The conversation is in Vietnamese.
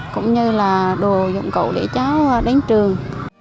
cũng như là đồ dụng cụ để cháu đến trường